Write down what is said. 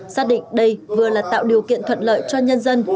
xác định đây vừa là tạo điều kiện thuận lợi cho nhân dân